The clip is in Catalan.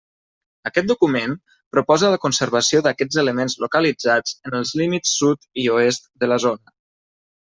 Aquest document proposa la conservació d'aquests elements localitzats en els límits sud i oest de la zona.